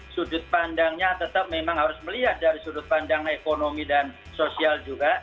sudut pandangnya tetap memang harus melihat dari sudut pandang ekonomi dan sosial juga